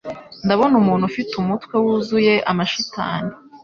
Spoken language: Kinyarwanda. Ndabona umuntu ufite umutwe wuzuye amashitani